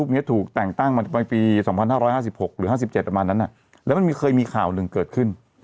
อเแต่งตั้งมาไปปีสองพันห้าร้อยห้าสิบหกหรือห้าสิบเจ็ดประมาณนั้นน่ะแล้วมันเคยมีข่าวหนึ่งเกิดขึ้น